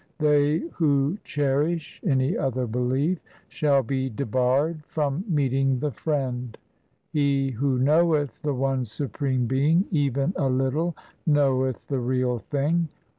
They who cherish any other belief, Shall be debarred from meeting the Friend. He who knoweth the one Supreme Being even a little, Knoweth the Real Thing.